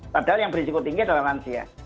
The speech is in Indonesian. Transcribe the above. padahal yang berisiko tinggi adalah lansia